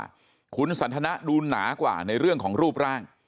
ว่าคุณสันทนะดูหนากว่าในเรื่องของรูปร่าง